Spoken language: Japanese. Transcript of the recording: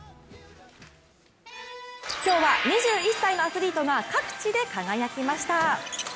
今日は２１歳のアスリートが各地で輝きました。